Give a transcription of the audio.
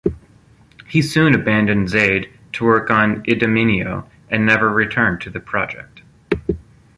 He soon abandoned "Zaide", to work on "Idomeneo", and never returned to the project.